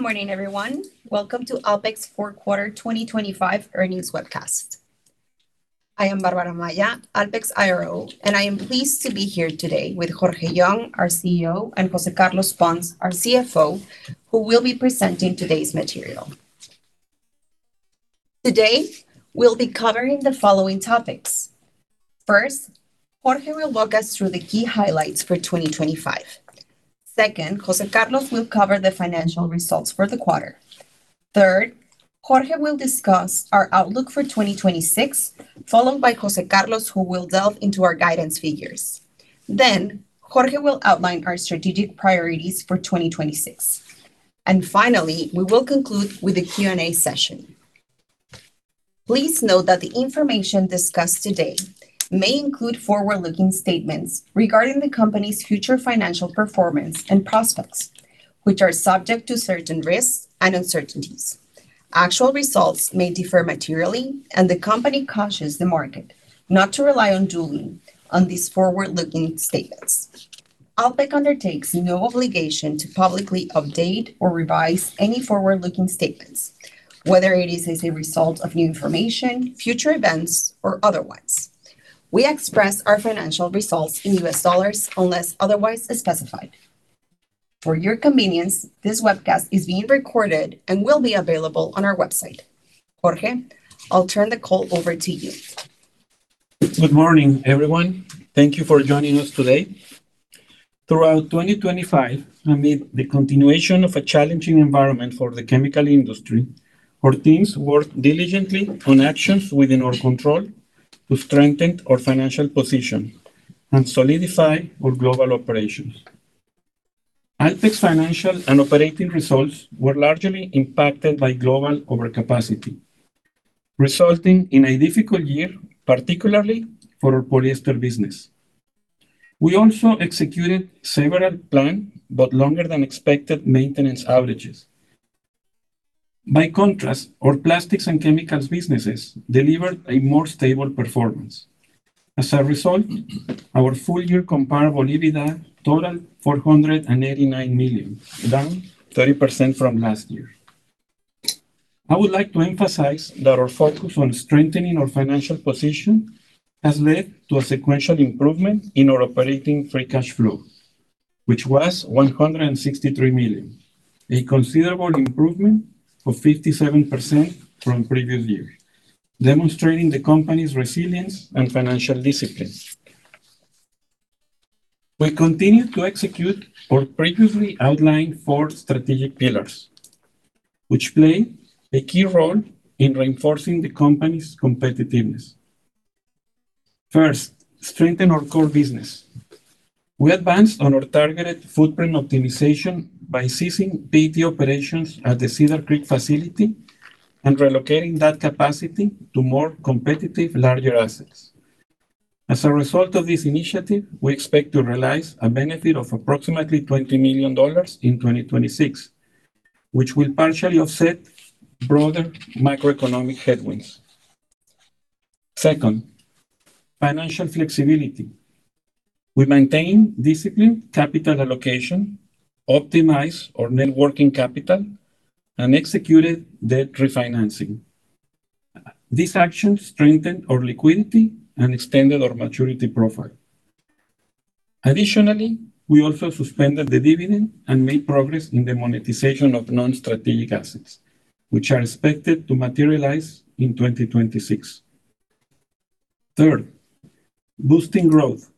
Good morning, everyone. Welcome to Alpek's fourth quarter 2025 earnings webcast. I am Bárbara Amaya, Alpek's IRO, and I am pleased to be here today with Jorge Young, our CEO, and José Carlos Pons, our CFO, who will be presenting today's material. Today we'll be covering the following topics. First, Jorge will walk us through the key highlights for 2025. Second, José Carlos will cover the financial results for the quarter. Third, Jorge will discuss our outlook for 2026, followed by José Carlos, who will delve into our guidance figures. Then Jorge will outline our strategic priorities for 2026. And finally, we will conclude with a Q&A session. Please note that the information discussed today may include forward-looking statements regarding the company's future financial performance and prospects, which are subject to certain risks and uncertainties. Actual results may differ materially, and the company cautions the market not to place undue reliance on these forward-looking statements. Alpek undertakes no obligation to publicly update or revise any forward-looking statements, whether as a result of new information, future events, or otherwise. We express our financial results in U.S. dollars unless otherwise specified. For your convenience, this webcast is being recorded and will be available on our website. Jorge, I'll turn the call over to you. Good morning, everyone. Thank you for joining us today. Throughout 2025, amid the continuation of a challenging environment for the chemical industry, our teams worked diligently on actions within our control to strengthen our financial position and solidify our global operations. Alpek's financial and operating results were largely impacted by global overcapacity, resulting in a difficult year, particularly for our polyester business. We also executed several planned but longer-than-expected maintenance outages. By contrast, our plastics and chemicals businesses delivered a more stable performance. As a result, our full-year comparable EBITDA totaled $489 million, down 30% from last year. I would like to emphasize that our focus on strengthening our financial position has led to a sequential improvement in our operating free cash flow, which was $163 million, a considerable improvement of 57% from previous years, demonstrating the company's resilience and financial discipline. We continue to execute our previously outlined four strategic pillars, which play a key role in reinforcing the company's competitiveness. First, strengthen our core business. We advanced on our targeted footprint optimization by seizing PET operations at the Cedar Creek facility and relocating that capacity to more competitive, larger assets. As a result of this initiative, we expect to realize a benefit of approximately $20 million in 2026, which will partially offset broader macroeconomic headwinds. Second, financial flexibility. We maintained disciplined capital allocation, optimized our net working capital, and executed debt refinancing. These actions strengthened our liquidity and extended our maturity profile. Additionally, we also suspended the dividend and made progress in the monetization of non-strategic assets, which are expected to materialize in 2026. Third, boosting growth.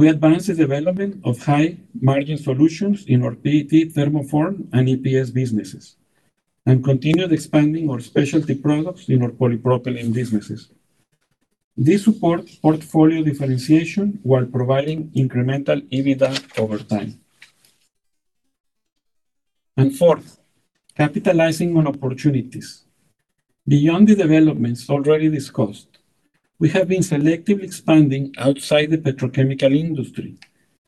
We advanced the development of high-margin solutions in our PET, thermoform, and EPS businesses and continued expanding our specialty products in our polypropylene businesses. This supports portfolio differentiation while providing incremental EBITDA over time. And fourth, capitalizing on opportunities. Beyond the developments already discussed, we have been selectively expanding outside the petrochemical industry,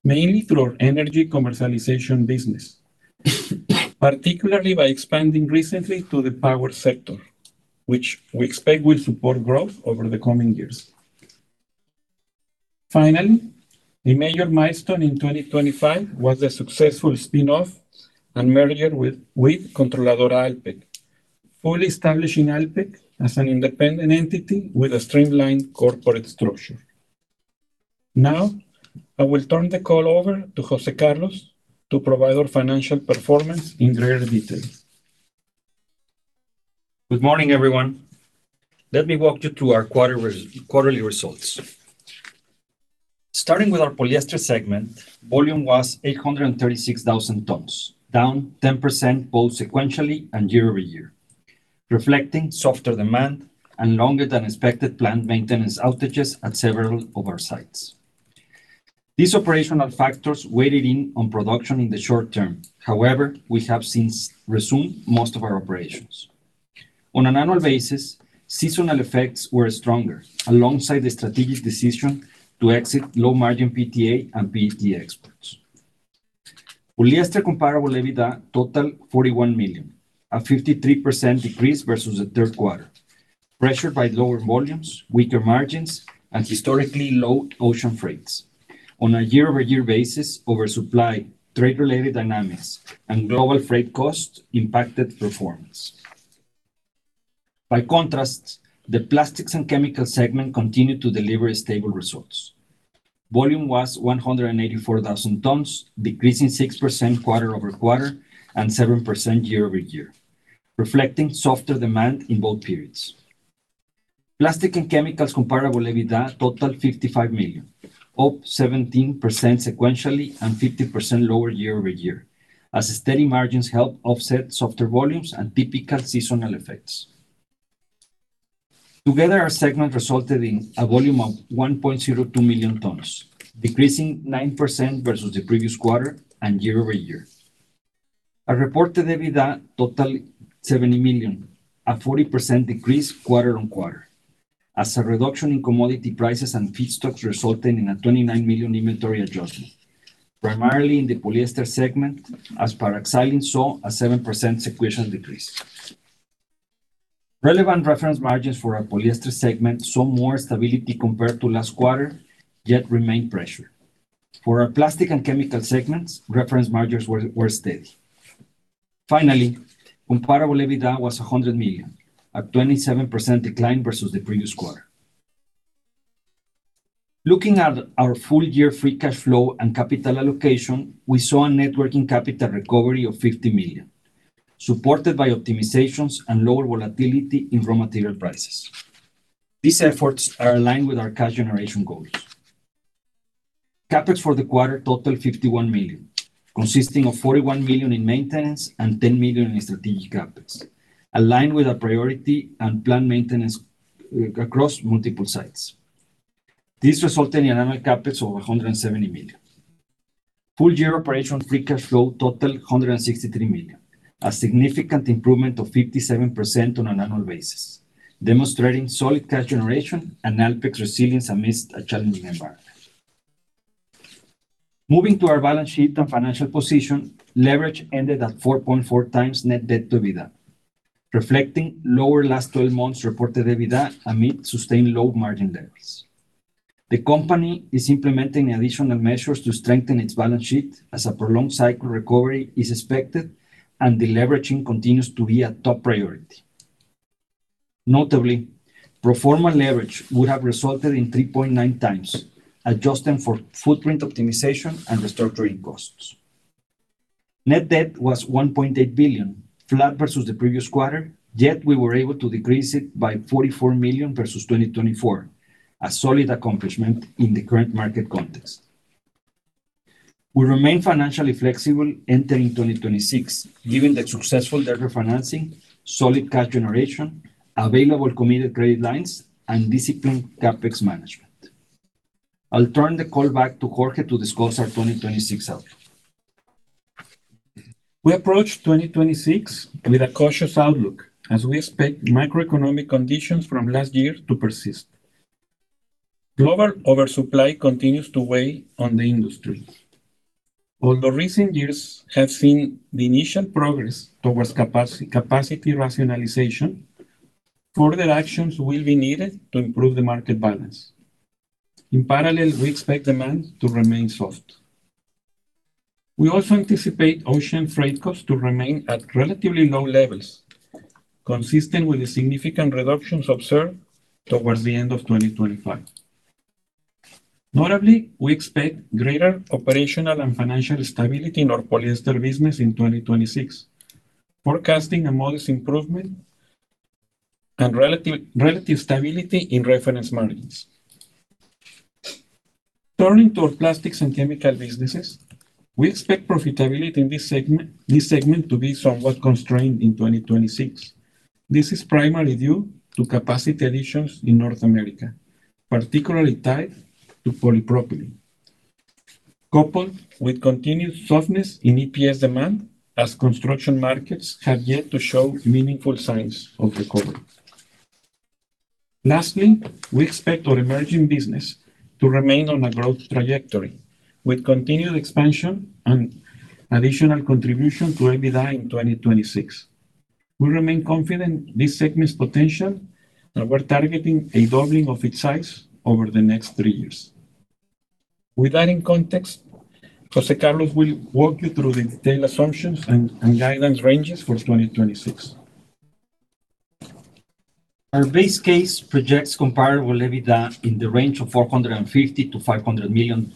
mainly through our energy commercialization business, particularly by expanding recently to the power sector, which we expect will support growth over the coming years. Finally, a major milestone in 2025 was the successful spinoff and merger with Controladora Alpek, fully establishing Alpek as an independent entity with a streamlined corporate structure. Now, I will turn the call over to José Carlos to provide our financial performance in greater detail. Good morning, everyone. Let me walk you through our quarterly results. Starting with our polyester segment, volume was 836,000 tons, down 10% both sequentially and year-over-year, reflecting softer demand and longer-than-expected plant maintenance outages at several sites. These operational factors weighed in on production in the short term. However, we have since resumed most of our operations. On an annual basis, seasonal effects were stronger alongside the strategic decision to exit low-margin PTA and PET exports. Polyester comparable EBITDA totaled $41 million, a 53% decrease versus the third quarter, pressured by lower volumes, weaker margins, and historically low ocean freights. On a year-over-year basis, oversupply, trade-related dynamics, and global freight costs impacted performance. By contrast, the plastics and chemicals segment continued to deliver stable results. Volume was 184,000 tons, decreasing 6% quarter-over-quarter and 7% year-over-year, reflecting softer demand in both periods. Plastic and chemicals comparable EBITDA totaled $55 million, up 17% sequentially and 50% lower year-over-year, as steady margins helped offset softer volumes and typical seasonal effects. Together, our segment resulted in a volume of 1.02 million tons, decreasing 9% versus the previous quarter and year-over-year. Our reported EBITDA totaled $70 million, a 40% decrease quarter-on-quarter, as a reduction in commodity prices and feedstocks resulting in a $29 million inventory adjustment, primarily in the polyester segment, as Paraxylene saw a 7% sequential decrease. Relevant reference margins for our polyester segment saw more stability compared to last quarter, yet remained pressured. For our plastic and chemical segments, reference margins were steady. Finally, comparable EBITDA was $100 million, a 27% decline versus the previous quarter. Looking at our full-year free cash flow and capital allocation, we saw a net working capital recovery of $50 million, supported by optimizations and lower volatility in raw material prices. These efforts are aligned with our cash generation goals. CapEx for the quarter totaled $51 million, consisting of $41 million in maintenance and $10 million in strategic CapEx, aligned with our priority and planned maintenance across multiple sites. This resulted in an annual CapEx of $170 million. Full-year operational free cash flow totaled $163 million, a significant improvement of 57% on an annual basis, demonstrating solid cash generation and Alpek's resilience amidst a challenging environment. Moving to our balance sheet and financial position, leverage ended at 4.4x net debt to EBITDA, reflecting lower last 12 months reported EBITDA amid sustained low margin levels. The company is implementing additional measures to strengthen its balance sheet, as a prolonged cycle recovery is expected and the leveraging continues to be a top priority. Notably, pro forma leverage would have resulted in 3.9x, adjusting for footprint optimization and restructuring costs. Net debt was $1.8 billion, flat versus the previous quarter, yet we were able to decrease it by $44 million versus 2024, a solid accomplishment in the current market context. We remain financially flexible entering 2026, given the successful debt refinancing, solid cash generation, available committed credit lines, and disciplined CapEx management. I'll turn the call back to Jorge to discuss our 2026 outlook. We approached 2026 with a cautious outlook, as we expect macroeconomic conditions from last year to persist. Global oversupply continues to weigh on the industry. Although recent years have seen the initial progress towards capacity rationalization, further actions will be needed to improve the market balance. In parallel, we expect demand to remain soft. We also anticipate ocean freight costs to remain at relatively low levels, consistent with the significant reductions observed towards the end of 2025. Notably, we expect greater operational and financial stability in our polyester business in 2026, forecasting a modest improvement and relative stability in reference margins. Turning to our plastics and chemical businesses, we expect profitability in this segment to be somewhat constrained in 2026. This is primarily due to capacity additions in North America, particularly tied to polypropylene, coupled with continued softness in EPS demand, as construction markets have yet to show meaningful signs of recovery. Lastly, we expect our emerging business to remain on a growth trajectory, with continued expansion and additional contribution to EBITDA in 2026. We remain confident in this segment's potential, and we're targeting a doubling of its size over the next three years. With that in context, José Carlos will walk you through the detailed assumptions and guidance ranges for 2026. Our base case projects comparable EBITDA in the range of $450 million-$500 million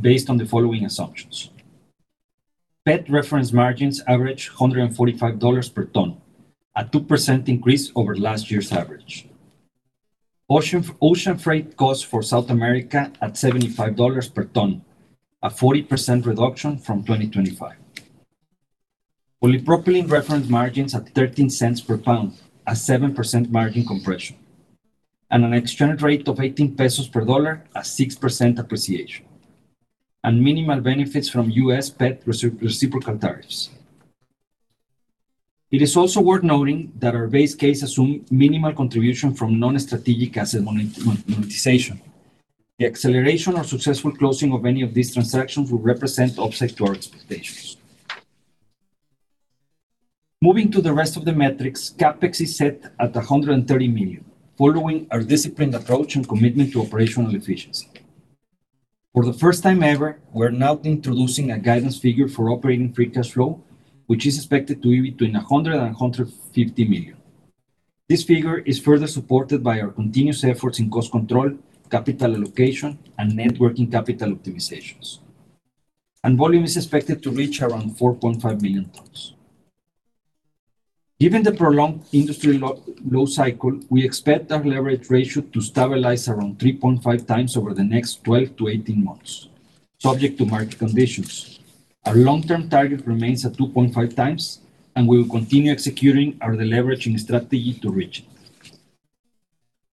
based on the following assumptions: PET reference margins average $145 per ton, a 2% increase over last year's average. Ocean freight costs for South America at $75 per ton, a 40% reduction from 2025. Polypropylene reference margins at $0.13 per pound, a 7% margin compression. And an exchange rate of 18 pesos per USD, a 6% appreciation. And minimal benefits from U.S. PET reciprocal tariffs. It is also worth noting that our base case assumed minimal contribution from non-strategic asset monetization. The acceleration or successful closing of any of these transactions would represent offset to our expectations. Moving to the rest of the metrics, CapEx is set at $130 million, following our disciplined approach and commitment to operational efficiency. For the first time ever, we're now introducing a guidance figure for operating free cash flow, which is expected to be between $100 million and $150 million. This figure is further supported by our continuous efforts in cost control, capital allocation, and working capital optimizations, and volume is expected to reach around 4.5 million tons. Given the prolonged industry low cycle, we expect our leverage ratio to stabilize around 3.5x over the next 12-18 months, subject to market conditions. Our long-term target remains at 2.5x, and we will continue executing our leveraging strategy to reach it.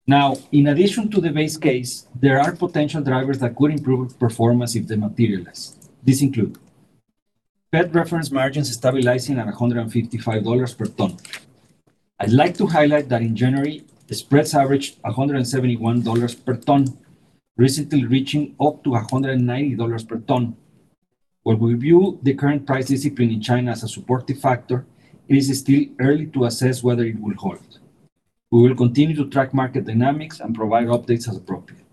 Now, in addition to the base case, there are potential drivers that could improve performance if they materialize. These include: PET reference margins stabilizing at $155 per ton. I'd like to highlight that in January, the spreads averaged $171 per ton, recently reaching up to $190 per ton. While we view the current price discipline in China as a supportive factor, it is still early to assess whether it will hold. We will continue to track market dynamics and provide updates as appropriate.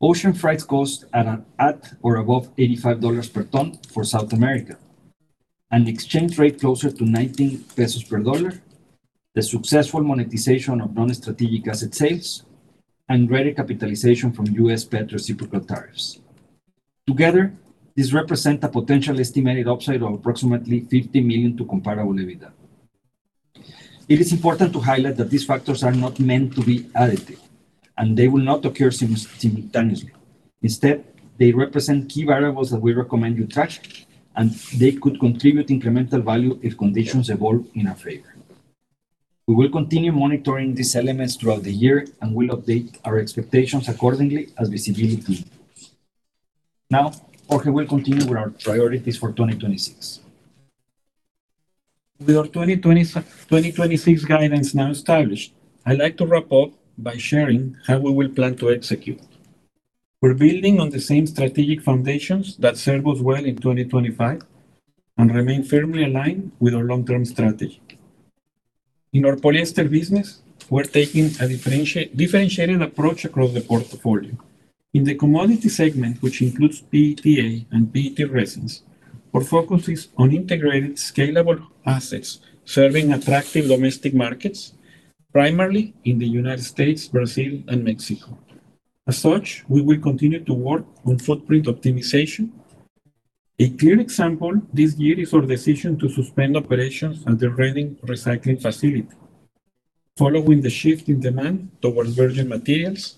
Ocean freight costs at or above $85 per ton for South America, an exchange rate closer to 19 pesos per dollar, the successful monetization of non-strategic asset sales, and greater capitalization from U.S. PET reciprocal tariffs. Together, these represent a potential estimated upside of approximately $50 million to comparable EBITDA. It is important to highlight that these factors are not meant to be additive, and they will not occur simultaneously. Instead, they represent key variables that we recommend you track, and they could contribute incremental value if conditions evolve in our favor. We will continue monitoring these elements throughout the year and will update our expectations accordingly as visibility improves. Now, Jorge will continue with our priorities for 2026. With our 2026 guidance now established, I'd like to wrap up by sharing how we will plan to execute. We're building on the same strategic foundations that served us well in 2025 and remain firmly aligned with our long-term strategy. In our polyester business, we're taking a differentiated approach across the portfolio. In the commodity segment, which includes PTA and PET resins, our focus is on integrated, scalable assets serving attractive domestic markets, primarily in the United States, Brazil, and Mexico. As such, we will continue to work on footprint optimization. A clear example this year is our decision to suspend operations at the Reading recycling facility. Following the shift in demand towards virgin materials,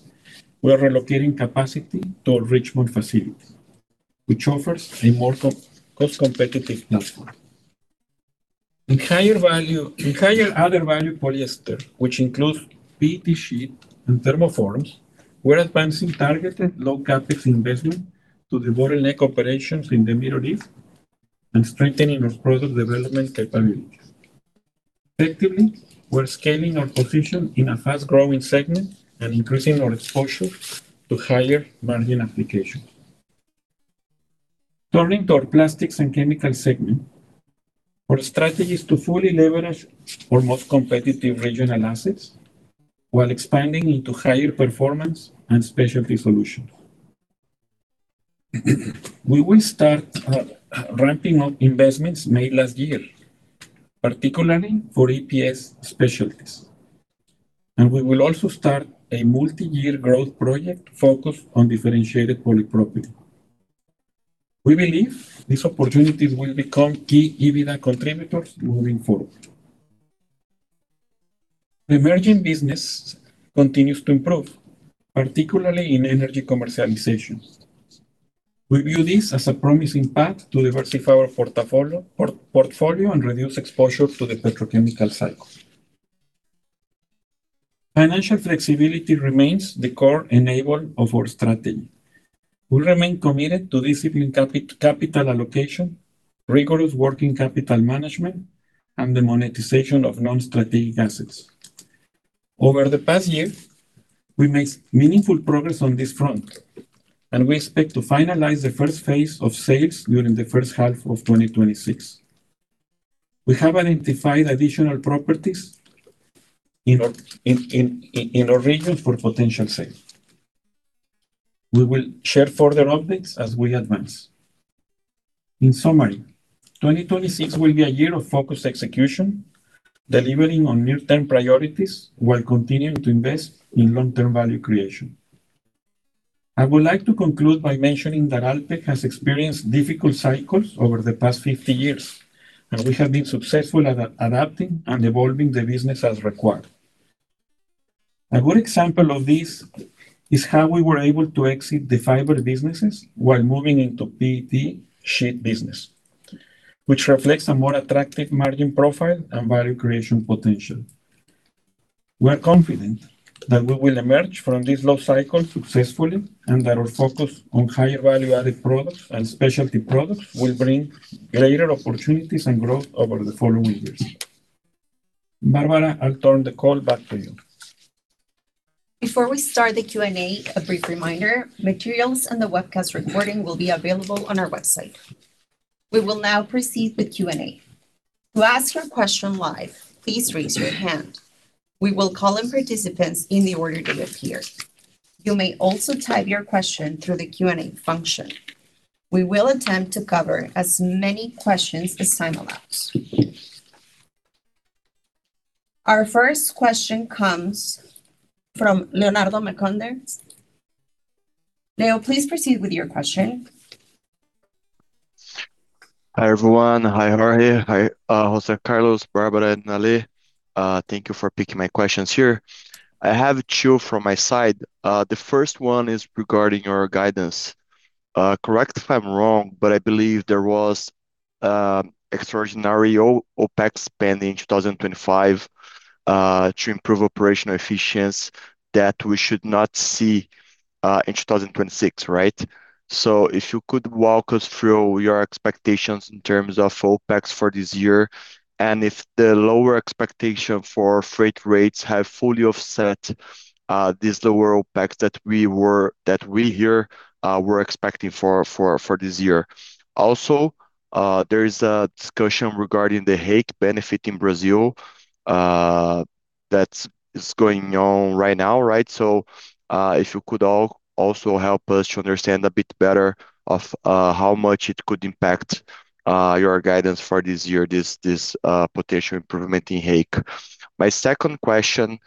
we're relocating capacity to Richmond facility, which offers a more cost-competitive platform. In higher-added value polyester, which includes PET sheet and thermoforms, we're advancing targeted low-CapEx investment to the bottleneck operations in the Middle East and strengthening our product development capabilities. Effectively, we're scaling our position in a fast-growing segment and increasing our exposure to higher-margin applications. Turning to our plastics and chemicals segment, our strategy is to fully leverage our most competitive regional assets while expanding into higher performance and specialty solutions. We will start ramping up investments made last year, particularly for EPS specialties, and we will also start a multi-year growth project focused on differentiated polypropylene. We believe these opportunities will become key EBITDA contributors moving forward. The emerging business continues to improve, particularly in energy commercialization. We view this as a promising path to diversify our portfolio and reduce exposure to the petrochemical cycle. Financial flexibility remains the core enabler of our strategy. We remain committed to disciplined capital allocation, rigorous working capital management, and the monetization of non-strategic assets. Over the past year, we made meaningful progress on this front, and we expect to finalize the first phase of sales during the first half of 2026. We have identified additional properties in our regions for potential sales. We will share further updates as we advance. In summary, 2026 will be a year of focused execution, delivering on near-term priorities while continuing to invest in long-term value creation. I would like to conclude by mentioning that Alpek has experienced difficult cycles over the past 50 years, and we have been successful at adapting and evolving the business as required. A good example of this is how we were able to exit the fiber businesses while moving into PET sheet business, which reflects a more attractive margin profile and value creation potential. We are confident that we will emerge from this low cycle successfully and that our focus on higher-value-added products and specialty products will bring greater opportunities and growth over the following years. Bárbara, I'll turn the call back to you. Before we start the Q&A, a brief reminder: materials and the webcast recording will be available on our website. We will now proceed with Q&A. To ask your question live, please raise your hand. We will call in participants in the order they appear. You may also type your question through the Q&A function. We will attempt to cover as many questions as time allows. Our first question comes from Leonardo Marcondes. Leo, please proceed with your question. Hi everyone. Hi Jorge. Hi José Carlos, Bárbara, and Ale. Thank you for picking my questions here. I have two from my side. The first one is regarding your guidance. Correct if I'm wrong, but I believe there was extraordinary OpEx spending in 2025 to improve operational efficiency that we should not see in 2026, right? So if you could walk us through your expectations in terms of OpEx for this year, and if the lower expectation for freight rates have fully offset this lower OpEx that we hear we're expecting for this year. Also, there is a discussion regarding the REIQ benefit in Brazil that's going on right now, right? So if you could also help us to understand a bit better of how much it could impact your guidance for this year, this potential improvement in REIQ. My second question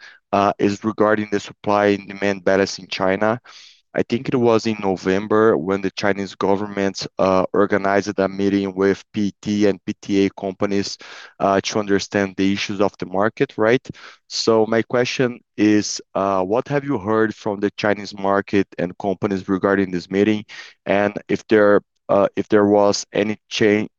is regarding the supply and demand balance in China. I think it was in November when the Chinese government organized a meeting with PET and PTA companies to understand the issues of the market, right? So my question is, what have you heard from the Chinese market and companies regarding this meeting, and if there was any change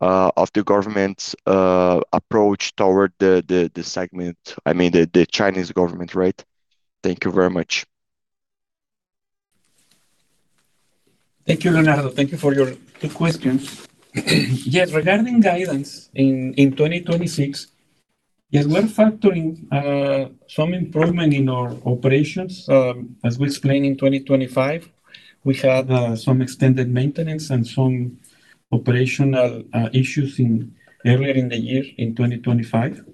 of the government's approach toward the segment, I mean, the Chinese government, right? Thank you very much. Thank you, Leonardo. Thank you for your two questions. Yes, regarding guidance in 2026, yes, we're factoring some improvement in our operations. As we explained, in 2025, we had some extended maintenance and some operational issues earlier in the year, in 2025.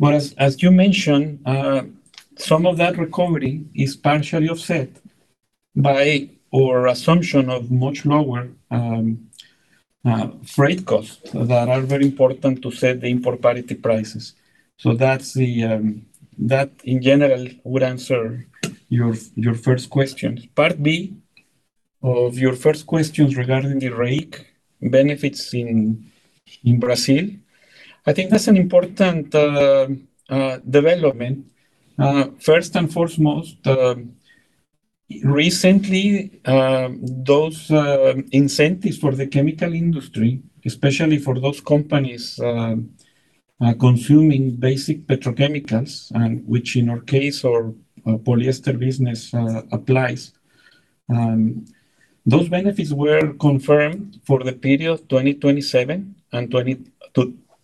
But as you mentioned, some of that recovery is partially offset by our assumption of much lower freight costs that are very important to set the import parity prices. So that, in general, would answer your first question. Part B of your first questions regarding the REIQ benefits in Brazil, I think that's an important development. First and foremost, recently, those incentives for the chemical industry, especially for those companies consuming basic petrochemicals, which in our case, our polyester business applies, those benefits were confirmed for the period of 2027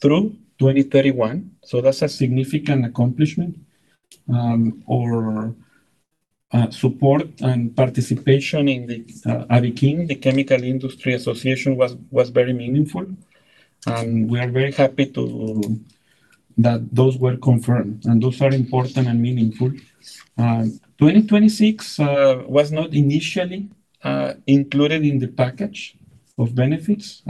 through 2031. So that's a significant accomplishment. Our support and participation in the ABIQUIM, the Chemical Industry Association, was very meaningful, and we are very happy that those were confirmed, and those are important and meaningful. 2026 was not initially included in the package of benefits,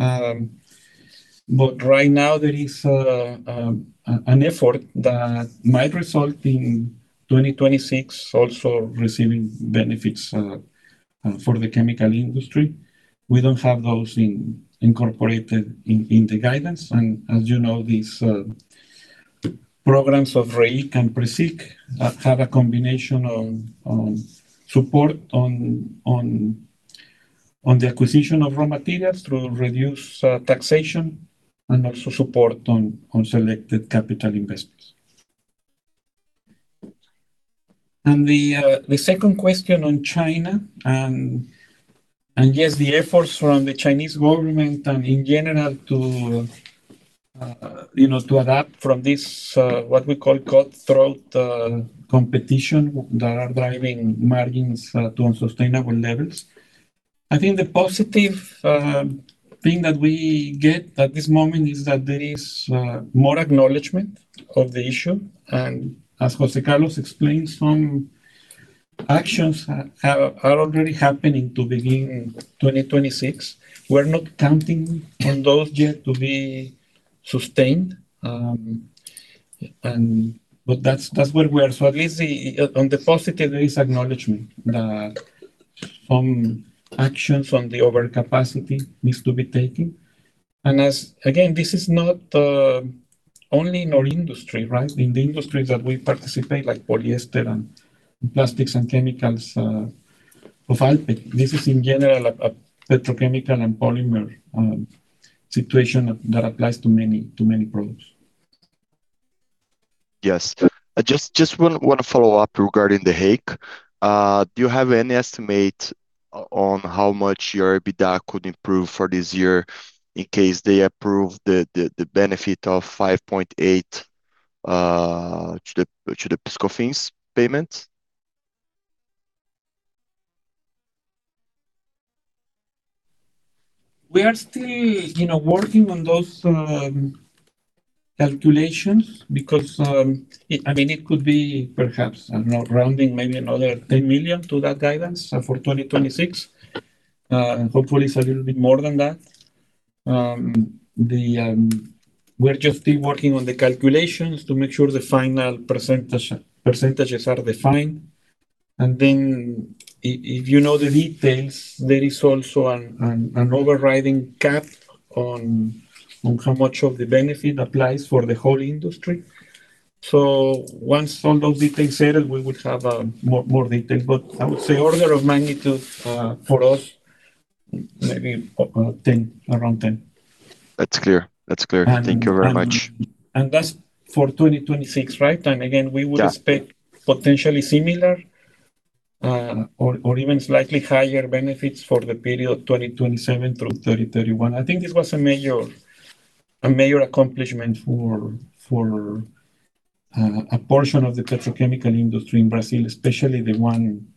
but right now, there is an effort that might result in 2026 also receiving benefits for the chemical industry. We don't have those incorporated in the guidance. As you know, these programs of REIQ and PRESIQ have a combination of support on the acquisition of raw materials to reduce taxation and also support on selected capital investments. The second question on China, and yes, the efforts from the Chinese government and, in general, to adapt from this, what we call, cutthroat competition that are driving margins to unsustainable levels. I think the positive thing that we get at this moment is that there is more acknowledgment of the issue. As José Carlos explained, some actions are already happening to begin 2026. We're not counting on those yet to be sustained, but that's where we are. At least on the positive, there is acknowledgment that some actions on the overcapacity need to be taken. Again, this is not only in our industry, right? In the industries that we participate, like polyester and plastics and chemicals of Alpek, this is, in general, a petrochemical and polymer situation that applies to many products. Yes. I just want to follow up regarding the REIQ. Do you have any estimate on how much your EBITDA could improve for this year in case they approve the benefit of 5.8 to the PIS/COFINS payment? We are still working on those calculations because, I mean, it could be, perhaps, I don't know, rounding maybe another $10 million to that guidance for 2026. Hopefully, it's a little bit more than that. We're just still working on the calculations to make sure the final percentages are defined. And then, if you know the details, there is also an overriding cap on how much of the benefit applies for the whole industry. So once all those details are settled, we will have more details. But I would say order of magnitude for us, maybe around $10 million. That's clear. That's clear. Thank you very much. That's for 2026, right? Again, we would expect potentially similar or even slightly higher benefits for the period 2027 through 2031. I think this was a major accomplishment for a portion of the petrochemical industry in Brazil, especially the one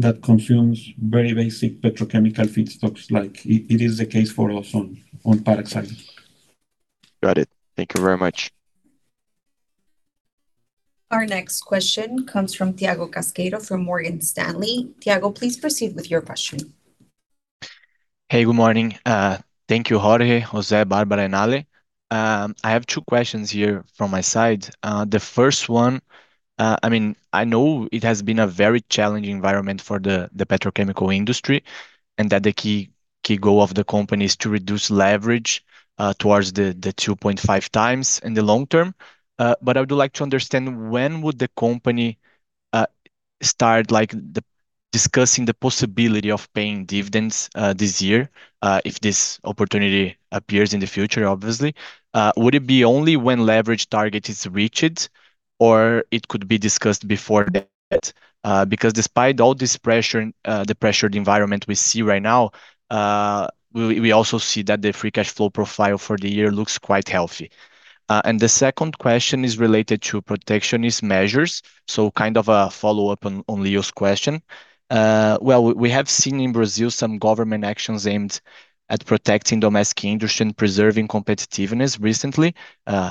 that consumes very basic petrochemical feedstocks. It is the case for us on paraxylene. Got it. Thank you very much. Our next question comes from Thiago Casqueiro from Morgan Stanley. Thiago, please proceed with your question. Hey, good morning. Thank you, Jorge, José, Bárbara, and Ale. I have two questions here from my side. The first one, I mean, I know it has been a very challenging environment for the petrochemical industry and that the key goal of the company is to reduce leverage towards the 2.5x in the long term. But I would like to understand when would the company start discussing the possibility of paying dividends this year if this opportunity appears in the future, obviously? Would it be only when leverage target is reached, or it could be discussed before that? Because despite all this pressure, the pressured environment we see right now, we also see that the free cash flow profile for the year looks quite healthy. And the second question is related to protectionist measures. So kind of a follow-up on Leo's question. Well, we have seen in Brazil some government actions aimed at protecting domestic industry and preserving competitiveness recently,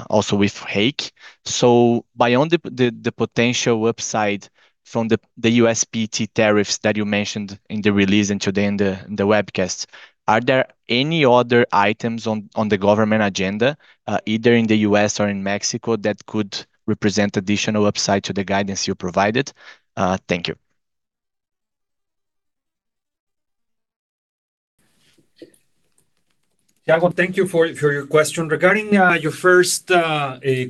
also with REIQ. So beyond the potential upside from the U.S. PET tariffs that you mentioned in the release until the end of the webcast, are there any other items on the government agenda, either in the U.S. or in Mexico, that could represent additional upside to the guidance you provided? Thank you. Thiago, thank you for your question. Regarding your first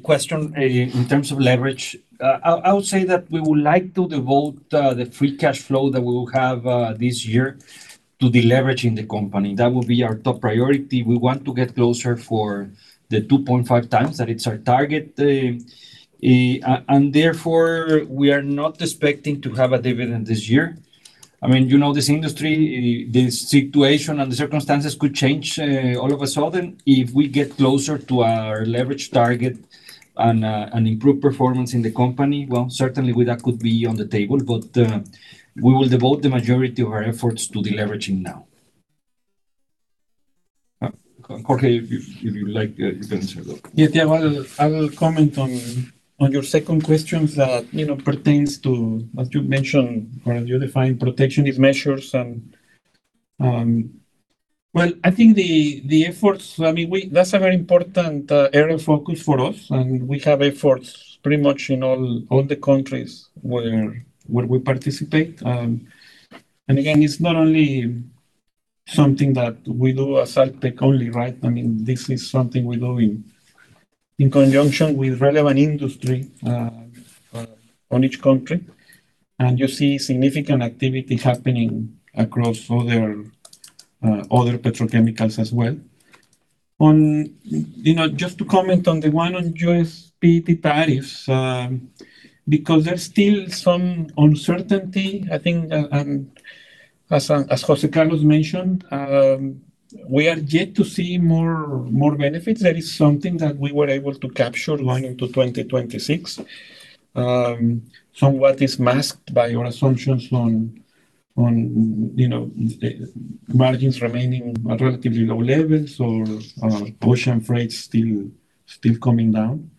question in terms of leverage, I would say that we would like to devote the free cash flow that we will have this year to the leverage in the company. That will be our top priority. We want to get closer for the 2.5x that it's our target, and therefore, we are not expecting to have a dividend this year. I mean, you know this industry, this situation, and the circumstances could change all of a sudden. If we get closer to our leverage target and improve performance in the company, well, certainly, that could be on the table. But we will devote the majority of our efforts to the leveraging now. Jorge, if you'd like, you can answer that. Yeah, Thiago, I will comment on your second question that pertains to, as you mentioned, or as you define, protectionist measures. Well, I think the efforts, I mean, that's a very important area of focus for us, and we have efforts pretty much in all the countries where we participate. And again, it's not only something that we do as Alpek only, right? I mean, this is something we do in conjunction with relevant industry on each country. And you see significant activity happening across other petrochemicals as well. Just to comment on the one on U.S. PET tariffs, because there's still some uncertainty, I think, as José Carlos mentioned, we are yet to see more benefits. There is something that we were able to capture going into 2026, somewhat is masked by our assumptions on margins remaining at relatively low levels or ocean freights still coming down.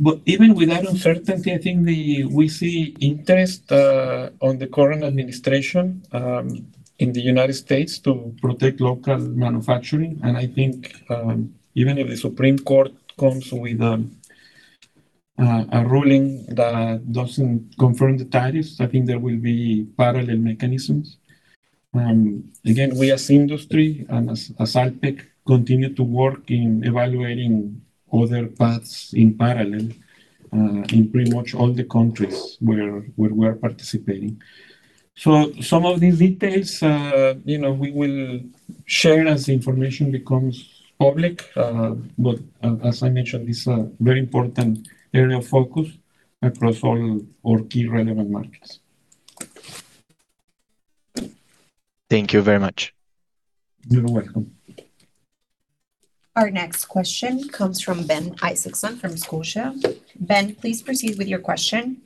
But even with that uncertainty, I think we see interest in the current administration in the United States to protect local manufacturing. And I think even if the Supreme Court comes with a ruling that doesn't confirm the tariffs, I think there will be parallel mechanisms. Again, we as industry and as Alpek continue to work in evaluating other paths in parallel in pretty much all the countries where we are participating. So some of these details, we will share as the information becomes public. But as I mentioned, this is a very important area of focus across all our key relevant markets. Thank you very much. You're welcome. Our next question comes from Ben Isaacson from Scotia. Ben, please proceed with your question.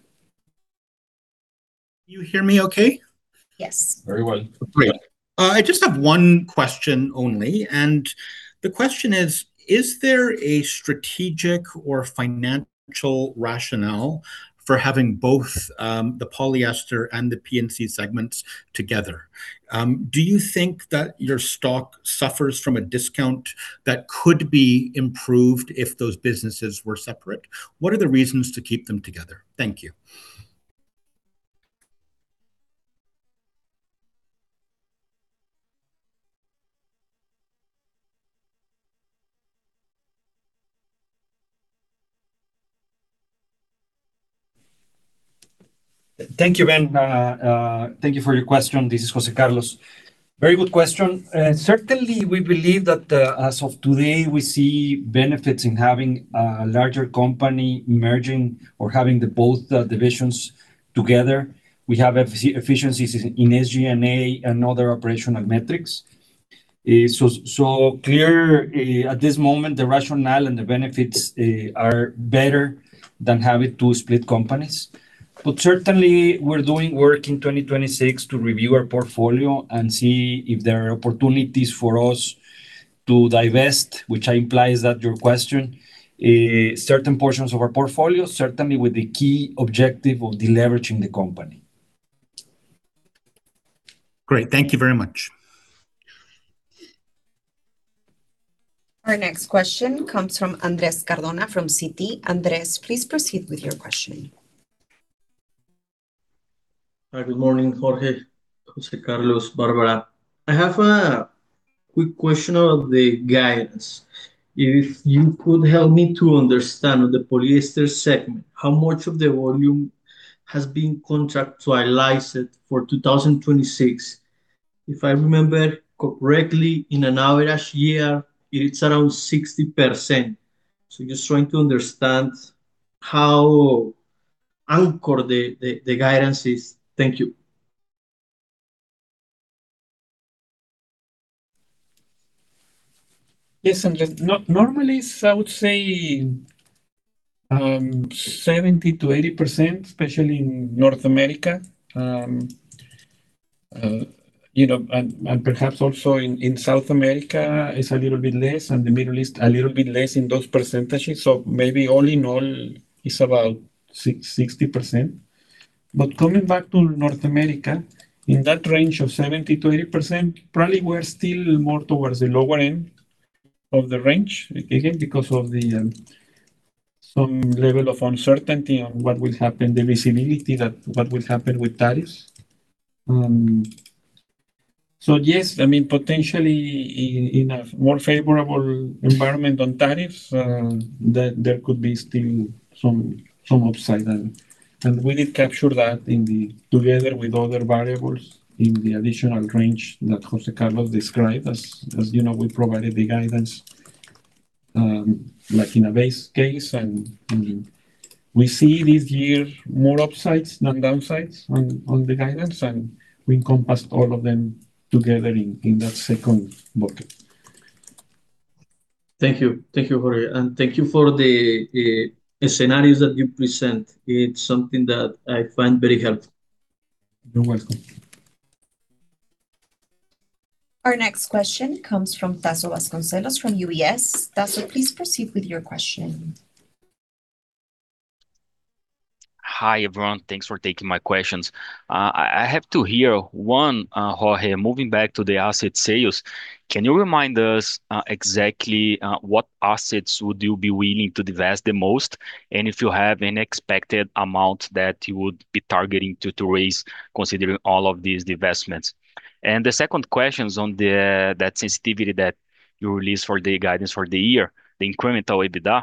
Can you hear me okay? Yes. Very well. I just have one question only. And the question is, is there a strategic or financial rationale for having both the polyester and the P&C segments together? Do you think that your stock suffers from a discount that could be improved if those businesses were separate? What are the reasons to keep them together? Thank you. Thank you, Ben. Thank you for your question. This is José Carlos. Very good question. Certainly, we believe that as of today, we see benefits in having a larger company merging or having both divisions together. We have efficiencies in SG&A and other operational metrics. So clear, at this moment, the rationale and the benefits are better than having to split companies. Certainly, we're doing work in 2026 to review our portfolio and see if there are opportunities for us to divest, which implies that your question, certain portions of our portfolio, certainly with the key objective of deleveraging the company. Great. Thank you very much. Our next question comes from Andrés Cardona from Citi. Andrés, please proceed with your question. Hi, good morning, Jorge, José Carlos, Bárbara. I have a quick question about the guidance. If you could help me to understand the polyester segment, how much of the volume has been contractualized for 2026? If I remember correctly, in an average year, it's around 60%. So just trying to understand how anchored the guidance is. Thank you. Yes, Andrés. Normally, I would say 70%-80%, especially in North America, and perhaps also in South America is a little bit less, and the Middle East, a little bit less in those percentages. So maybe all in all, it's about 60%. But coming back to North America, in that range of 70%-80%, probably we're still more towards the lower end of the range, again, because of some level of uncertainty on what will happen, the visibility that what will happen with tariffs. So yes, I mean, potentially, in a more favorable environment on tariffs, there could be still some upside. And we did capture that together with other variables in the additional range that José Carlos described. As you know, we provided the guidance in a base case. We see this year more upsides than downsides on the guidance, and we encompassed all of them together in that second bucket. Thank you. Thank you, Jorge. Thank you for the scenarios that you present. It's something that I find very helpful. You're welcome. Our next question comes from Tasso Vasconcellos from UBS. Tasso, please proceed with your question. Hi, everyone. Thanks for taking my questions. I have two here, one, Jorge. Moving back to the asset sales, can you remind us exactly what assets would you be willing to divest the most, and if you have an expected amount that you would be targeting to raise considering all of these divestments? And the second question is on that sensitivity that you released for the guidance for the year, the incremental EBITDA.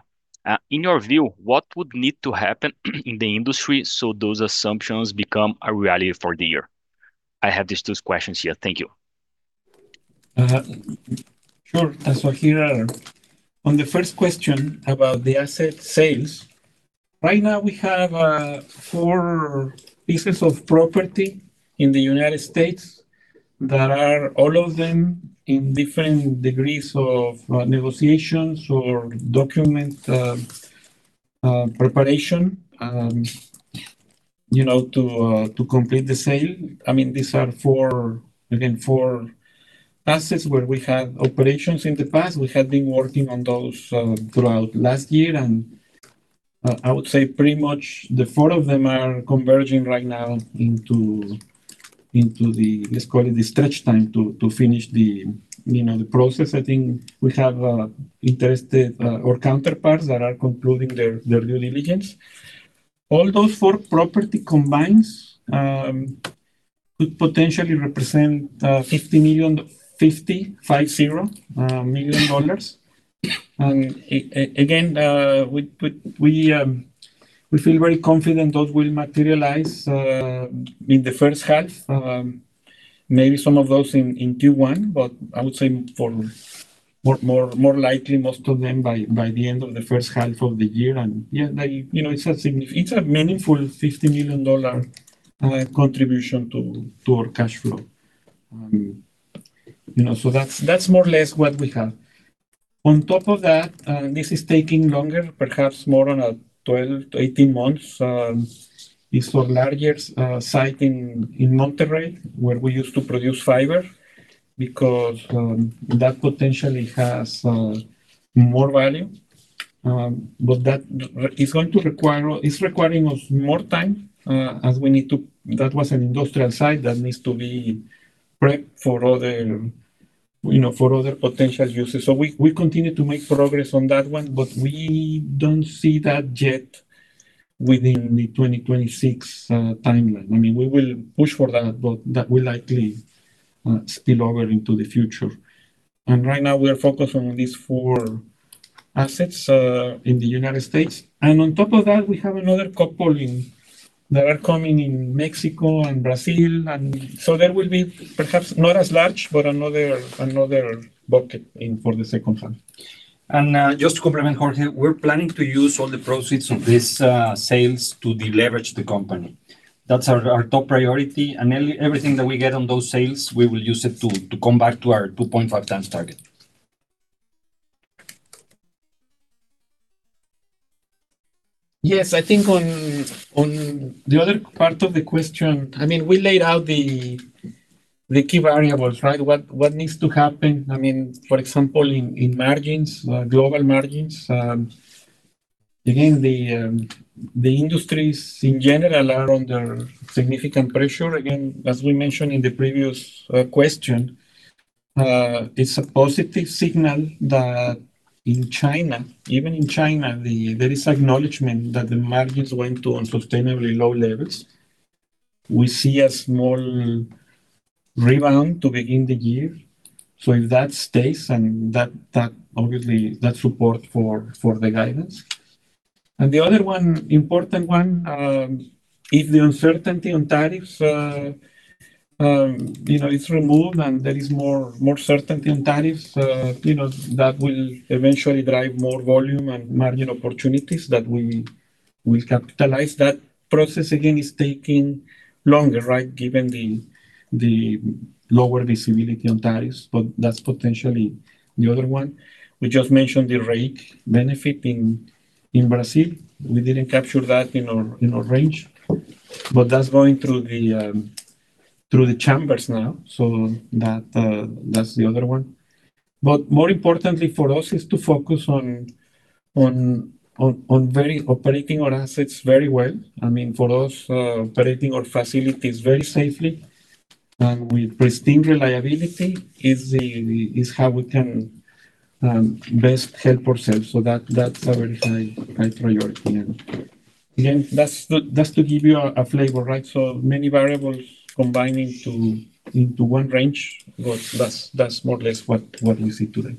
In your view, what would need to happen in the industry so those assumptions become a reality for the year? I have these two questions here. Thank you. Sure. On the first question about the asset sales, right now, we have four pieces of property in the United States that are all of them in different degrees of negotiations or document preparation to complete the sale. I mean, these are four, again, four assets where we had operations in the past. We had been working on those throughout last year. And I would say pretty much the four of them are converging right now into the, let's call it, the stretch time to finish the process. I think we have interested or counterparts that are concluding their due diligence. All those four properties combined could potentially represent $50 million. And again, we feel very confident those will materialize in the first half, maybe some of those in Q1, but I would say more likely, most of them by the end of the first half of the year. And yeah, it's a meaningful $50 million contribution to our cash flow. So that's more or less what we have. On top of that, this is taking longer, perhaps more on 12-18 months. It's our largest site in Monterrey where we used to produce fiber because that potentially has more value. But that is going to require it's requiring us more time as we need to that was an industrial site that needs to be prepped for other potential uses. So we continue to make progress on that one, but we don't see that yet within the 2026 timeline. I mean, we will push for that, but that will likely spill over into the future. Right now, we are focused on these four assets in the United States. On top of that, we have another couple that are coming in Mexico and Brazil. There will be perhaps not as large, but another bucket for the second half. Just to complement, Jorge, we're planning to use all the proceeds of these sales to deleverage the company. That's our top priority. Everything that we get on those sales, we will use it to come back to our 2.5x target. Yes, I think on the other part of the question, I mean, we laid out the key variables, right? What needs to happen? I mean, for example, in margins, global margins. Again, the industries in general are under significant pressure. Again, as we mentioned in the previous question, it's a positive signal that in China, even in China, there is acknowledgment that the margins went to unsustainably low levels. We see a small rebound to begin the year. So if that stays, obviously, that's support for the guidance. And the other one, important one, if the uncertainty on tariffs is removed and there is more certainty on tariffs, that will eventually drive more volume and margin opportunities that we will capitalize. That process, again, is taking longer, right, given the lower visibility on tariffs. But that's potentially the other one. We just mentioned the REIQ benefit in Brazil. We didn't capture that in our range, but that's going through the chambers now. So that's the other one. But more importantly for us is to focus on operating our assets very well. I mean, for us, operating our facilities very safely and with pristine reliability is how we can best help ourselves. So that's a very high priority. And again, that's to give you a flavor, right? So many variables combining into one range, but that's more or less what we see today.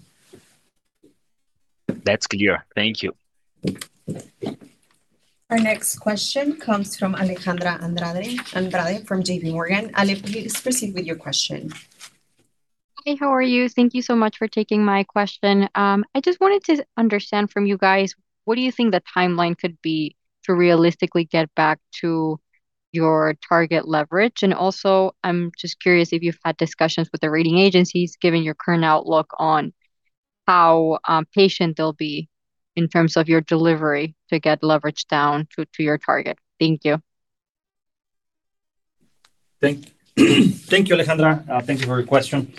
That's clear. Thank you. Our next question comes from Alejandra Andrade from JPMorgan. Ale, please proceed with your question. Hi, how are you? Thank you so much for taking my question. I just wanted to understand from you guys, what do you think the timeline could be to realistically get back to your target leverage? And also, I'm just curious if you've had discussions with the rating agencies, given your current outlook on how patient they'll be in terms of your delivery to get leverage down to your target. Thank you. Thank you, Alejandra. Thank you for your question.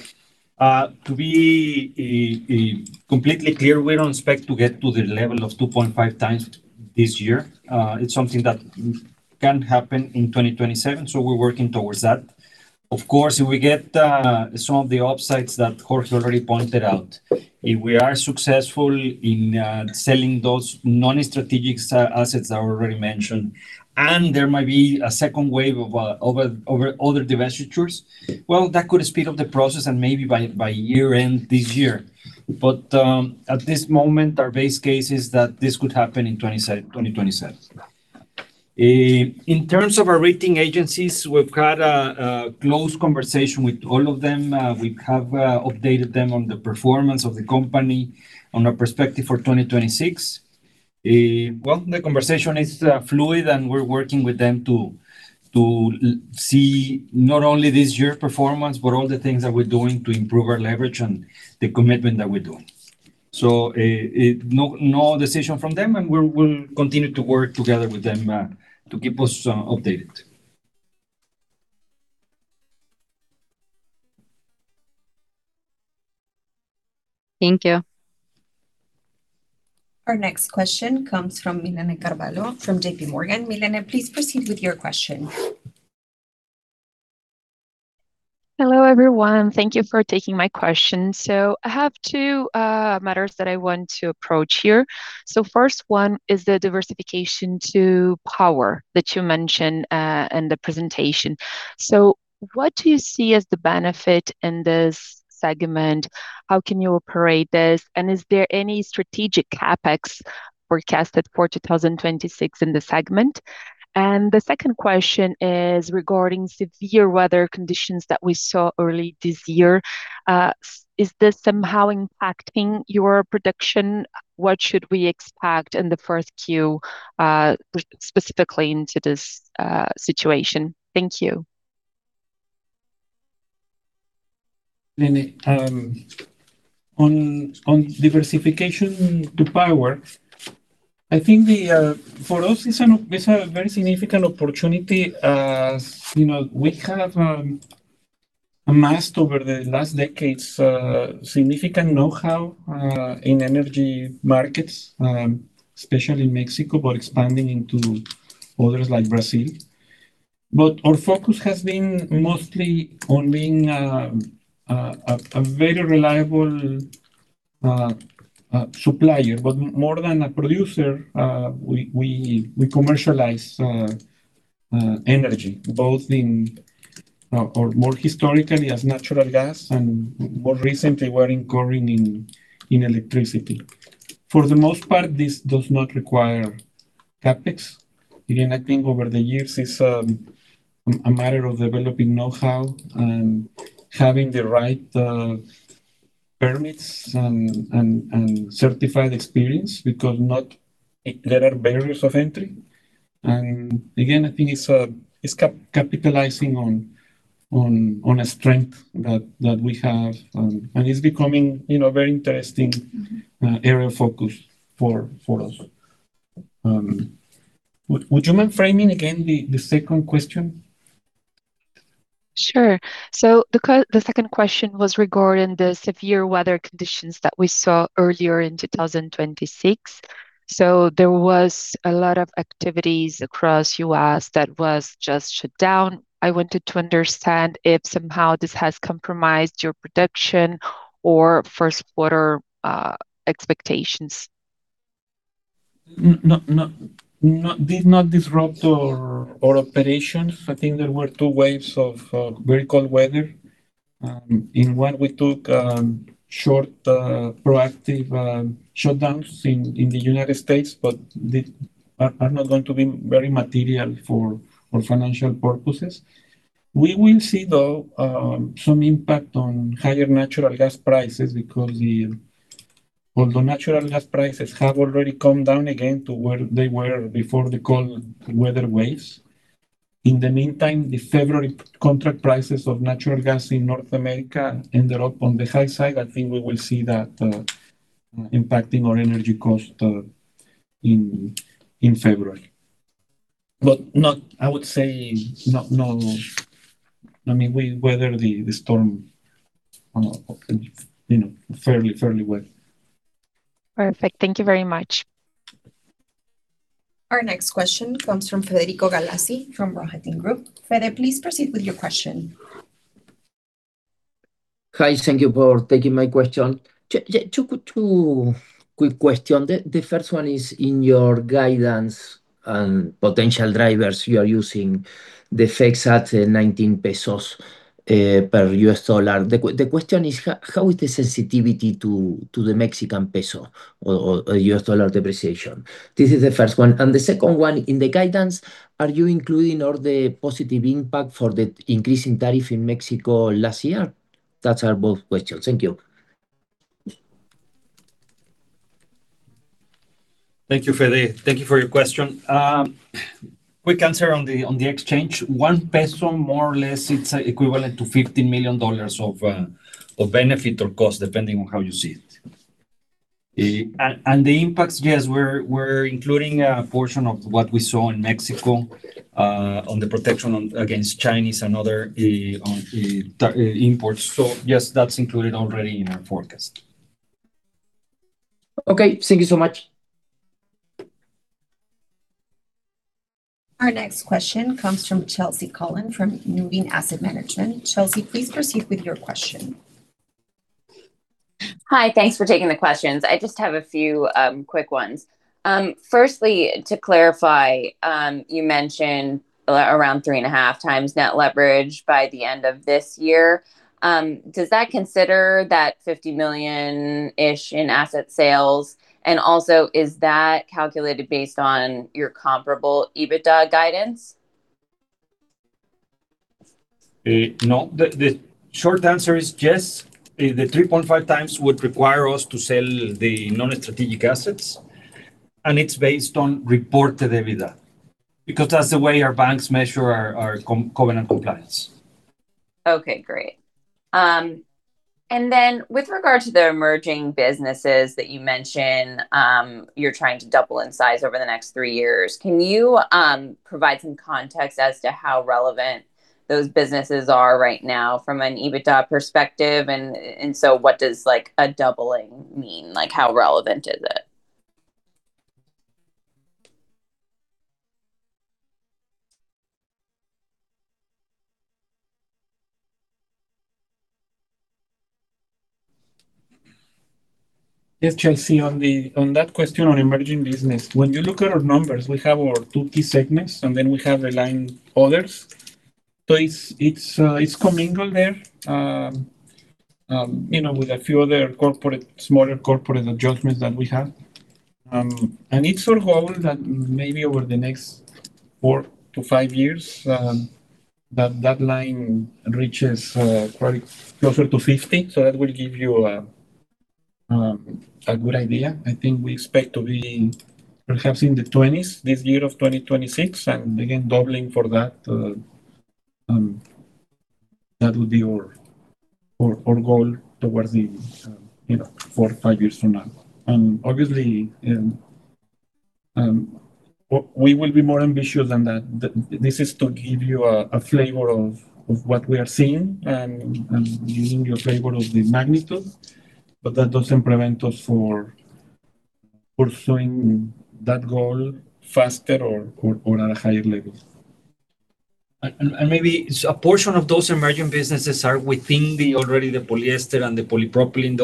To be completely clear, we don't expect to get to the level of 2.5x this year. It's something that can happen in 2027. So we're working towards that. Of course, if we get some of the upsides that Jorge already pointed out, if we are successful in selling those non-strategic assets that I already mentioned, and there might be a second wave of other divestitures, well, that could speed up the process and maybe by year-end this year. But at this moment, our base case is that this could happen in 2027. In terms of our rating agencies, we've had a close conversation with all of them. We have updated them on the performance of the company on our perspective for 2026. Well, the conversation is fluid, and we're working with them to see not only this year's performance, but all the things that we're doing to improve our leverage and the commitment that we're doing. So no decision from them, and we'll continue to work together with them to keep us updated. Thank you. Our next question comes from Milene Carvalho from JPMorgan. Milene, please proceed with your question. Hello, everyone. Thank you for taking my question. So I have two matters that I want to approach here. So first one is the diversification to power that you mentioned in the presentation. So what do you see as the benefit in this segment? How can you operate this? And is there any strategic CapEx forecasted for 2026 in the segment? And the second question is regarding severe weather conditions that we saw early this year. Is this somehow impacting your production? What should we expect in the first Q, specifically into this situation? Thank you. Milene, on diversification to power, I think for us, it's a very significant opportunity. We have amassed over the last decades significant know-how in energy markets, especially in Mexico, but expanding into others like Brazil. But our focus has been mostly on being a very reliable supplier, but more than a producer, we commercialize energy, both in or more historically, as natural gas, and more recently, we're incurring in electricity. For the most part, this does not require CapEx. Again, I think over the years, it's a matter of developing know-how and having the right permits and certified experience because there are barriers of entry. And again, I think it's capitalizing on a strength that we have. And it's becoming a very interesting area of focus for us. Would you mind framing, again, the second question? Sure. So the second question was regarding the severe weather conditions that we saw earlier in 2026. So there was a lot of activities across the U.S. that were just shut down. I wanted to understand if somehow this has compromised your production or first-quarter expectations? Did not disrupt our operations. I think there were two waves of very cold weather. In one, we took short proactive shutdowns in the United States, but they are not going to be very material for financial purposes. We will see, though, some impact on higher natural gas prices because although natural gas prices have already come down again to where they were before the cold weather waves, in the meantime, the February contract prices of natural gas in North America ended up on the high side. I think we will see that impacting our energy cost in February. But I would say no. I mean, we weathered the storm fairly well. Perfect. Thank you very much. Our next question comes from Federico Galassi from Rohatyn Group. Fede, please proceed with your question. Hi. Thank you for taking my question. Two quick questions. The first one is in your guidance and potential drivers, you are using the FX at 19 pesos per U.S. dollar. The question is, how is the sensitivity to the Mexican peso or U.S. dollar depreciation? This is the first one. And the second one, in the guidance, are you including all the positive impact for the increasing tariff in Mexico last year? Those are both questions. Thank you. Thank you, Fede. Thank you for your question. Quick answer on the exchange. 1 peso, more or less, it's equivalent to $15 million of benefit or cost, depending on how you see it. And the impacts, yes, we're including a portion of what we saw in Mexico on the protection against Chinese and other imports. So yes, that's included already in our forecast. Okay. Thank you so much. Our next question comes from Chelsea Cullen from Move Asset Management. Chelsea, please proceed with your question. Hi. Thanks for taking the questions. I just have a few quick ones. Firstly, to clarify, you mentioned around 3.5x net leverage by the end of this year. Does that consider that $50 million-ish in asset sales? And also, is that calculated based on your comparable EBITDA guidance? No. The short answer is yes. The 3.5x would require us to sell the non-strategic assets. It's based on reported EBITDA because that's the way our banks measure our covenant compliance. Okay. Great. And then with regard to the emerging businesses that you mentioned you're trying to double in size over the next three years, can you provide some context as to how relevant those businesses are right now from an EBITDA perspective? And so what does a doubling mean? How relevant is it? Yes, Chelsea. On that question, on emerging business, when you look at our numbers, we have our two key segments, and then we have the line others. So it's commingled there with a few other smaller corporate adjustments that we have. And it's our goal that maybe over the next four to five years, that line reaches closer to 50. So that will give you a good idea. I think we expect to be perhaps in the 20s this year of 2026. And again, doubling for that, that would be our goal towards the four, five years from now. And obviously, we will be more ambitious than that. This is to give you a flavor of what we are seeing and giving you a flavor of the magnitude. But that doesn't prevent us from pursuing that goal faster or at a higher level. And maybe a portion of those emerging businesses are within already the polyester and the polypropylene,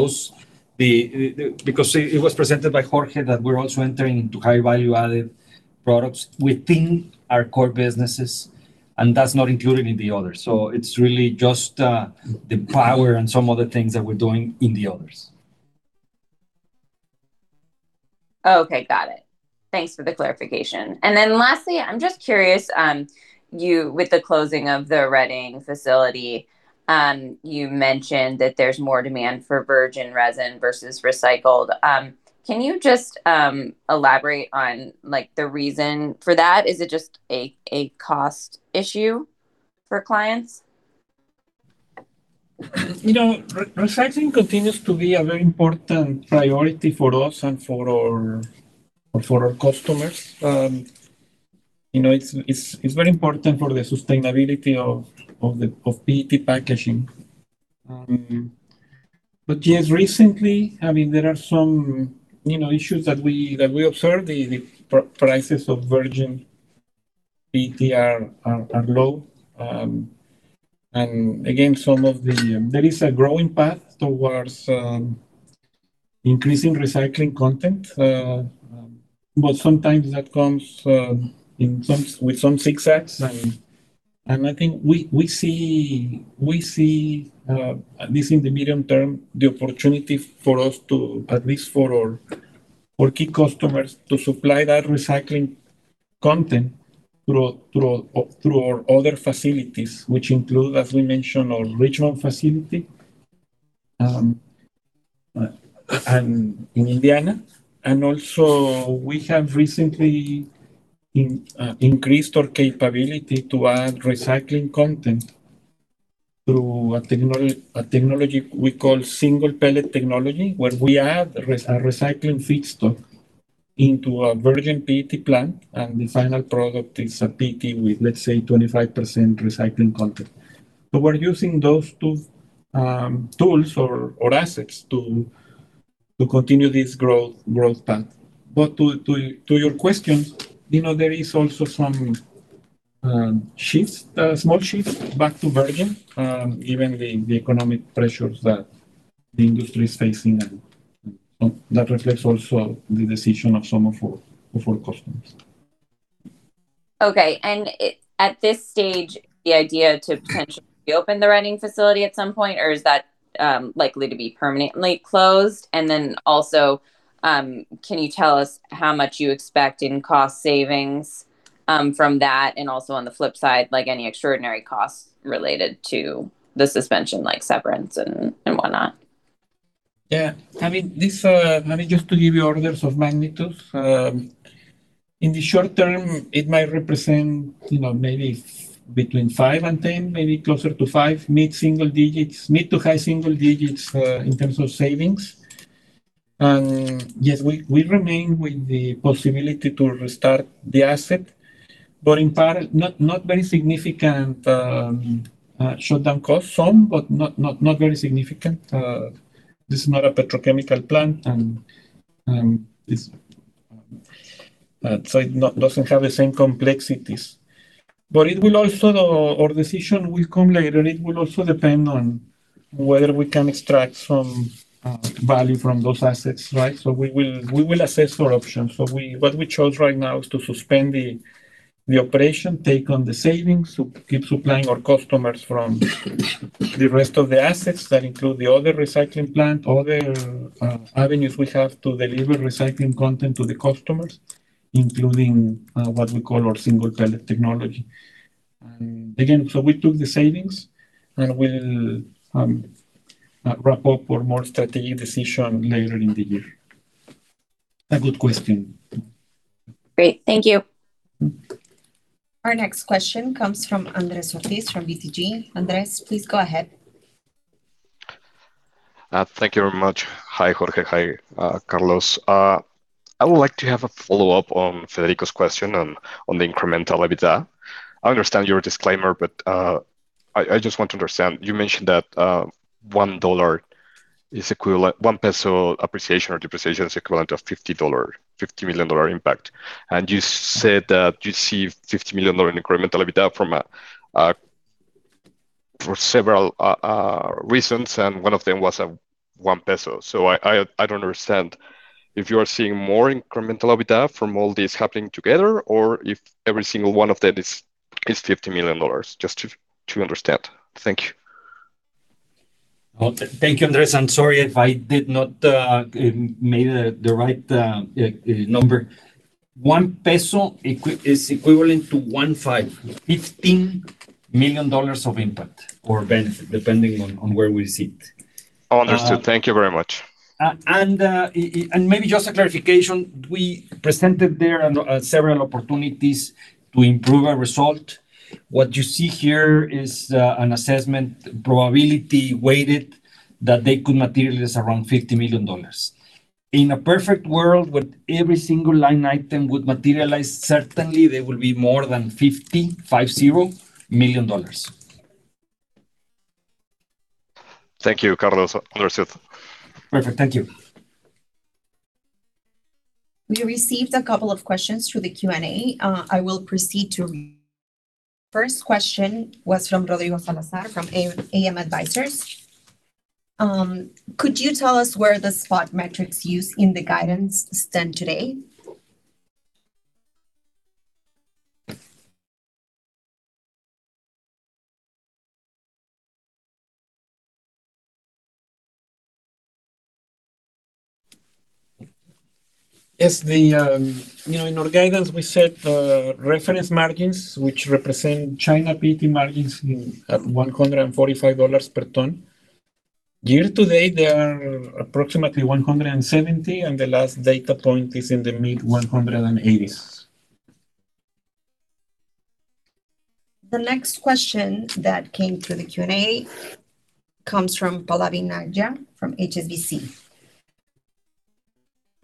because it was presented by Jorge that we're also entering into high-value-added products within our core businesses. And that's not included in the others. So it's really just the power and some other things that we're doing in the others. Okay. Got it. Thanks for the clarification. And then lastly, I'm just curious, with the closing of the Reading facility, you mentioned that there's more demand for virgin resin versus recycled. Can you just elaborate on the reason for that? Is it just a cost issue for clients? Recycling continues to be a very important priority for us and for our customers. It's very important for the sustainability of PET packaging. But yes, recently, I mean, there are some issues that we observed. The prices of virgin PET are low. And again, there is a growing path towards increasing recycling content. But sometimes that comes with some zigzags. And I think we see this in the medium term, the opportunity for us to, at least for our key customers, supply that recycling content through our other facilities, which include, as we mentioned, our Richmond facility in Indiana. And also, we have recently increased our capability to add recycling content through a technology we call Single Pellet Technology, where we add a recycling feedstock into a virgin PET plant, and the final product is a PET with, let's say, 25% recycling content. So we're using those two tools or assets to continue this growth path. But to your question, there is also some small shift back to virgin, given the economic pressures that the industry is facing. And that reflects also the decision of some of our customers. Okay. And at this stage, the idea to potentially reopen the Reading facility at some point, or is that likely to be permanently closed? And then also, can you tell us how much you expect in cost savings from that? And also on the flip side, any extraordinary costs related to the suspension, like severance and whatnot? Yeah. I mean, just to give you orders of magnitude, in the short term, it might represent maybe between five and 10, maybe closer to five, mid-single digits, mid- to high-single digits in terms of savings. And yes, we remain with the possibility to restart the asset, but not very significant shutdown costs, some, but not very significant. This is not a petrochemical plant, so it doesn't have the same complexities. But our decision will come later. It will also depend on whether we can extract some value from those assets, right? So we will assess our options. So what we chose right now is to suspend the operation, take on the savings, keep supplying our customers from the rest of the assets that include the other recycling plant, other avenues we have to deliver recycling content to the customers, including what we call our Single Pellet Technology. Again, so we took the savings, and we'll wrap up our more strategic decision later in the year. A good question. Great. Thank you. Our next question comes from Andrés Ortiz from BTG. Andrés, please go ahead. Thank you very much. Hi, Jorge. Hi, Carlos. I would like to have a follow-up on Federico's question on the incremental EBITDA. I understand your disclaimer, but I just want to understand. You mentioned that 1 peso appreciation or depreciation is equivalent to a $50 million impact. And you said that you see $50 million incremental EBITDA for several reasons. And one of them was 1 peso. So I don't understand if you are seeing more incremental EBITDA from all this happening together, or if every single one of them is $50 million, just to understand. Thank you. Thank you, Andrés. I'm sorry if I did not make the right number. 1 peso is equivalent to 15, $15 million of impact or benefit, depending on where we see it. Oh, understood. Thank you very much. Maybe just a clarification. We presented there several opportunities to improve our result. What you see here is an assessment probability weighted that they could materialize around $50 million. In a perfect world, when every single line item would materialize, certainly, there will be more than $50 million. Thank you, Carlos. Understood. Perfect. Thank you. We received a couple of questions through the Q&A. I will proceed to read. First question was from Rodrigo Salazar from AM Advisors. Could you tell us where the spot metrics used in the guidance stand today? Yes. In our guidance, we set reference margins, which represent China PET margins at $145 per ton. Year to date, they are approximately $170, and the last data point is in the mid-$180s. The next question that came through the Q&A comes from Pallavi Nagia from HSBC.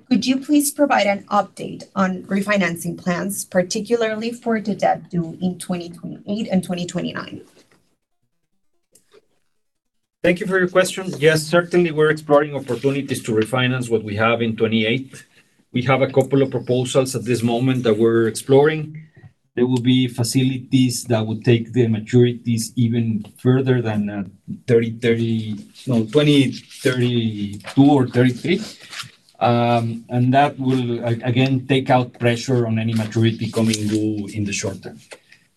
Could you please provide an update on refinancing plans, particularly for the debt due in 2028 and 2029? Thank you for your question. Yes, certainly, we're exploring opportunities to refinance what we have in 2028. We have a couple of proposals at this moment that we're exploring. There will be facilities that would take the maturities even further than 2032 or 2033. That will, again, take out pressure on any maturity coming due in the short term.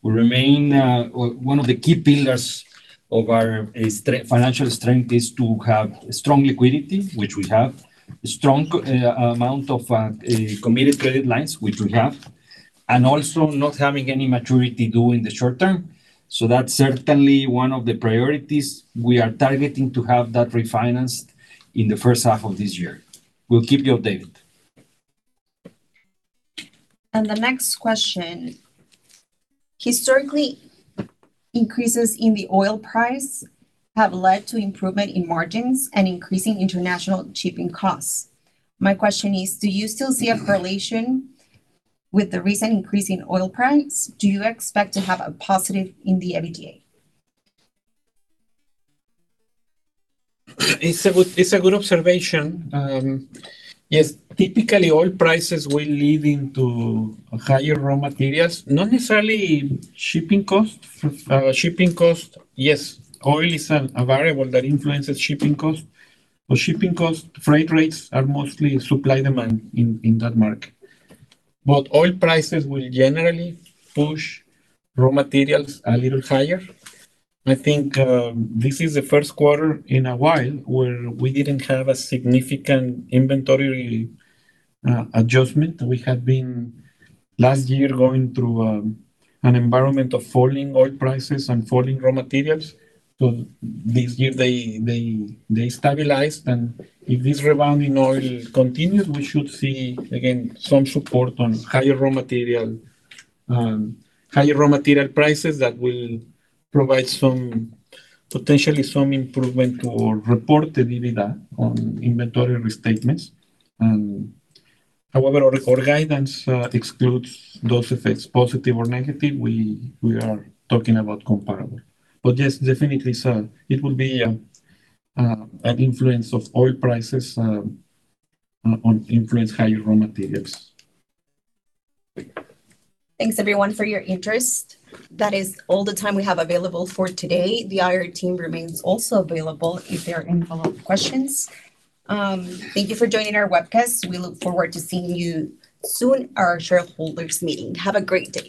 One of the key pillars of our financial strength is to have strong liquidity, which we have, a strong amount of committed credit lines, which we have, and also not having any maturity due in the short term. So that's certainly one of the priorities. We are targeting to have that refinanced in the first half of this year. We'll keep you updated. The next question. Historically, increases in the oil price have led to improvement in margins and increasing international shipping costs. My question is, do you still see a correlation with the recent increase in oil price? Do you expect to have a positive in the EBITDA? It's a good observation. Yes, typically, oil prices will lead into higher raw materials, not necessarily shipping costs. Shipping costs, yes, oil is a variable that influences shipping costs. But shipping costs, freight rates are mostly supply-demand in that market. But oil prices will generally push raw materials a little higher. I think this is the first quarter in a while where we didn't have a significant inventory adjustment. We had been last year going through an environment of falling oil prices and falling raw materials. So this year, they stabilized. And if this rebound in oil continues, we should see, again, some support on higher raw material prices that will provide potentially some improvement to report the EBITDA on inventory restatements. However, our guidance excludes those effects, positive or negative. We are talking about comparable. Yes, definitely, it will be an influence of oil prices that will influence higher raw materials. Thanks, everyone, for your interest. That is all the time we have available for today. The IR team remains also available if there are any follow-up questions. Thank you for joining our webcast. We look forward to seeing you soon. Our shareholders' meeting. Have a great day.